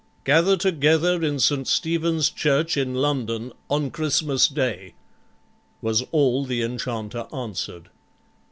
"Gather together in St. Stephen's Church in London, on Christmas Day," was all the enchanter answered.